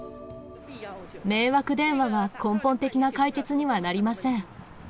迷惑電話は、根本的な解決にはなりません。